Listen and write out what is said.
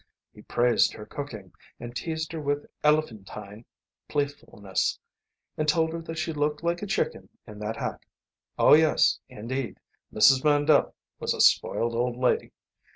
He praised her cooking, and teased her with elephantine playfulness, and told her that she looked like a chicken in that hat. Oh, yes, indeed! Mrs. Mandle was a spoiled old lady.